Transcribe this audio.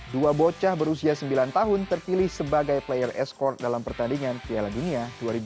dua bocah berusia sembilan tahun tertilih sebagai player escort dalam pertandingan piala dunia dua ribu delapan belas